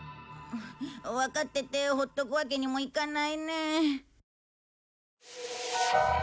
わかっててほっとくわけにもいかないね。